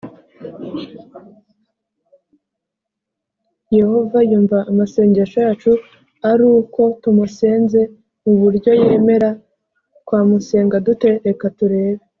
yehova yumva amasengesho yacu ari uko tumusenze mu buryo yemera twamusenga dute reka turebe